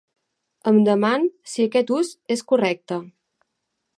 Em deman si aquest ús és correcte.